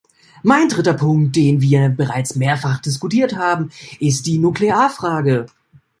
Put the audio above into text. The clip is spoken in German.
Mein dritter Punkt, den wir bereits mehrfach diskutiert haben, ist die Nuklearfrage.